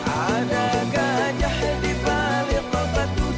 ada gajah di balik pabatku